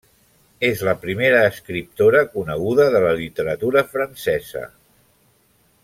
És la primera escriptora coneguda de la literatura francesa.